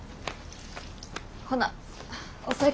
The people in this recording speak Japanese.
ほなお先。